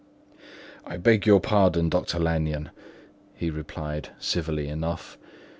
"I beg your pardon, Dr. Lanyon," he replied civilly enough.